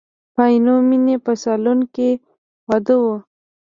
په عینومیني په سالون کې واده و.